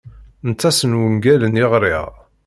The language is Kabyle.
Aṭas n wungalen i ɣriɣ.